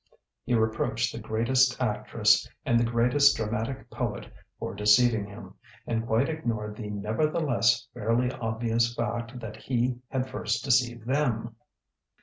He reproached the greatest actress and the greatest dramatic poet for deceiving him, and quite ignored the nevertheless fairly obvious fact that he had first deceived them.